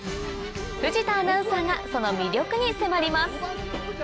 藤田アナウンサーがその魅力に迫ります。